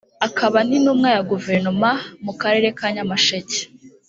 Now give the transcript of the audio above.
akaba n’intumwa ya Guverinoma mu karere ka Nyamasheke